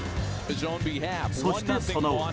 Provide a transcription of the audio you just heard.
そして、その裏。